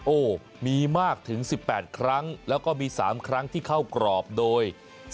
โอ้มีมากถึง๑๘ครั้งแล้วก็มี๓ครั้งที่เข้ากรอบโดย